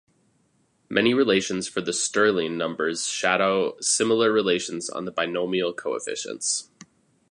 Many relations for the Stirling numbers shadow similar relations on the binomial coefficients.